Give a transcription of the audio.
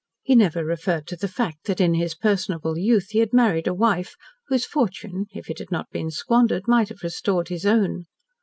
He never referred to the fact that in his personable youth he had married a wife whose fortune, if it had not been squandered, might have restored his own.